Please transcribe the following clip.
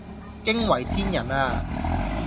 驚為天人呀